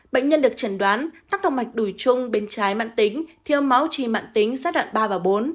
bệnh nhân được chẩn đoán tắc động mạch đùi trung bên trái mạng tính thiêu máu trì mạng tính giai đoạn ba và bốn